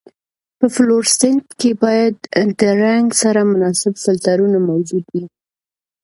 په فلورسنټ کې باید د رنګ سره مناسب فلټرونه موجود وي.